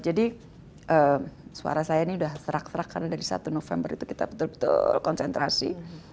jadi suara saya ini sudah serak serak karena dari satu november itu kita betul betul konsentrasi